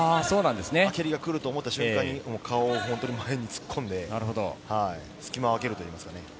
蹴りが来ると思った瞬間に顔を前に突っ込んで隙間をあけるといいますかね。